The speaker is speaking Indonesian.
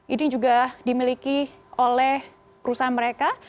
ini juga dimiliki oleh perusahaan mereka